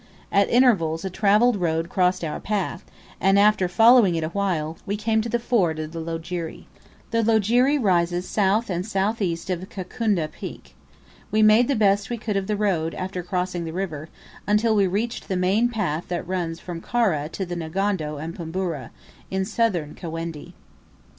At intervals a travelled road crossed our path, and, after following it a while, we came to the ford of the Loajeri. The Loajeri rises south and south east of Kakungu Peak. We made the best we could of the road after crossing the river, until we reached the main path that runs from Karah to Ngondo and Pumburu, in Southern Kawendi.